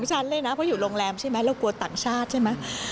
ฉันเลยนะเพราะอยู่โรงแรมใช่ไหมเรากลัวต่างชาติใช่ไหม